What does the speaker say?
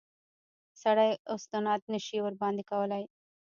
سړی استناد نه شي ورباندې کولای.